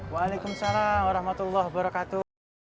waalaikumsalam warahmatullah wabarakatuh